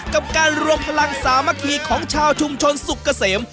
กับการรวมพลังสามัคคีของชาวชุมชนสุกเกษม